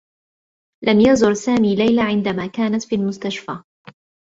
لم يزر سامي ليلى عندما كانت في المستشفى.